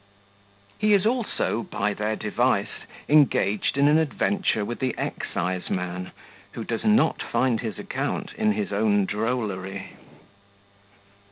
He is also, by their device, engaged in an Adventure with the Exciseman, who does not find his Account in his own Drollery.